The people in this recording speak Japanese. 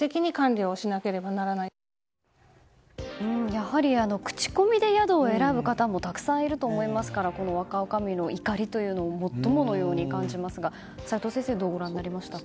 やはり口コミで宿を選ぶ方もたくさんいると思いますからこの若おかみの怒りというのももっとものように感じますが齋藤先生どうご覧になりましたか。